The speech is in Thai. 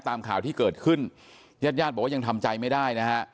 ตามข่าวที่เกิดขึ้นญาติญาติบอกว่ายังทำใจไม่ได้นะฮะ